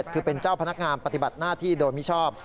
คือเป็นเจ้าพนักงานปฏิบัติหน้าที่โดยมิชอบ